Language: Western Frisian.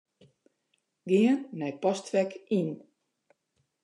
Gean nei Postfek Yn.